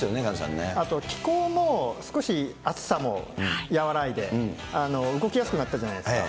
あと気候も、少し暑さも和らいで、動きやすくなったじゃないですか。